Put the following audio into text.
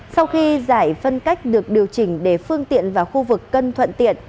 sau khi giải phân cách được điều chỉnh để phương tiện vào khu vực cân thuận tiện